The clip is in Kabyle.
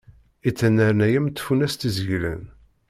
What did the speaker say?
Ittnernay am tfunast izeglen.